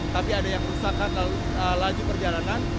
tapi ada yang merusakkan laju perjalanan